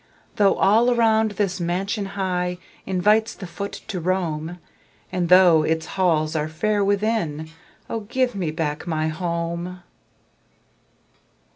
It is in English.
Though all around this mansion high Invites the foot to roam, And though its halls are fair within Oh, give me back my HOME!